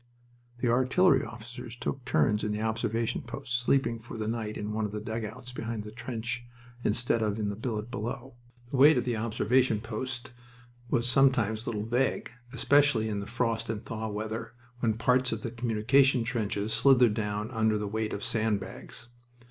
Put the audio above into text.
The artillery officers took turns in the observation posts, sleeping for the night in one of the dugouts behind the front trench instead of in the billet below. The way to the observation post was sometimes a little vague, especially in frost and thaw weather, when parts of the communication trenches slithered down under the weight of sand bags.